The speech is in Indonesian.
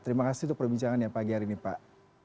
terima kasih untuk perbincangan ya pagi hari ini pak